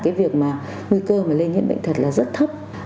cái việc mà nguy cơ lên nhiễm bệnh thật là rất thấp